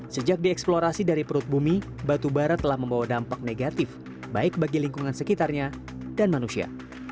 sejak dieksplorasi dari perut bumi batubara telah membawa dampak negatif baik bagi lingkungan sekitarnya dan manusia